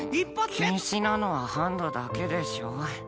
禁止なのはハンドだけでしょ？